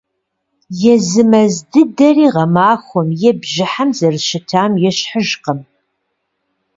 Езы мэз дыдэри гъэмахуэм е бжьыхьэм зэрыщытам ещхьыжкъым.